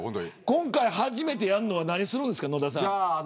今回、初めてやるのは何するんですか。